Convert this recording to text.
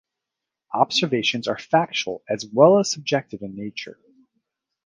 Observations are factual as well as subjective in nature.